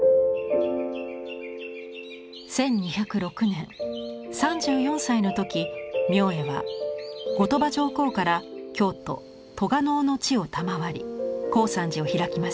１２０６年３４歳の時明恵は後鳥羽上皇から京都・栂尾の地を賜り高山寺を開きます。